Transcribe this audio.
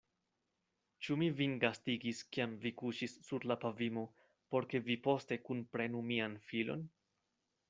Ĉu mi vin gastigis, kiam vi kuŝis sur la pavimo, por ke vi poste kunprenu mian filon?